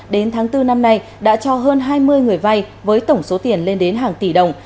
đến tháng bốn năm nay đã cho hơn hai mươi người vay với tổng số tiền lên đến hàng tỷ đồng